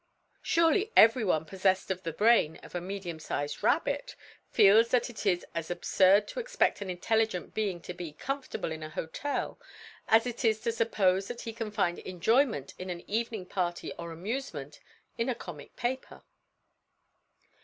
Surely, every one possessed of the brain of a medium sized rabbit feels that it is as absurd to expect an intelligent being to be comfortable in a hotel as it is to suppose that he can find enjoyment in an evening party or amusement in a comic paper.